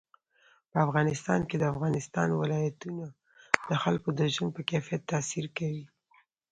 په افغانستان کې د افغانستان ولايتونه د خلکو د ژوند په کیفیت تاثیر کوي.